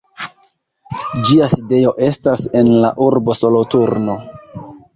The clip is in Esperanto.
Ĝia sidejo estas en la urbo Soloturno.